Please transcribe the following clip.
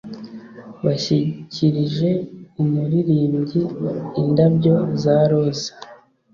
Bashyikirije umuririmbyi indabyo za roza.